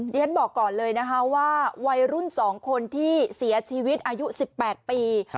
ฉันบอกก่อนเลยนะคะว่าวัยรุ่น๒คนที่เสียชีวิตอายุ๑๘ปี